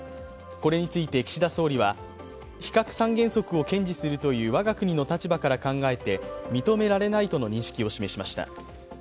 これについて岸田総理は、非核三原則を堅持するという我が国の立場から考えて認められないとの認識を示しました。